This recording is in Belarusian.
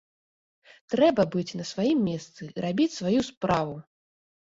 Трэба быць на сваім месцы і рабіць сваю справу!